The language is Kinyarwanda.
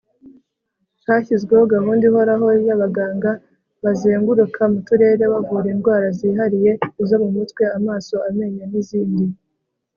hashyizweho gahunda ihoraho y'abaganga bazenguruka mu turere bavura indwara zihariye (izo mu mutwe, amaso, amenyo, n' izindi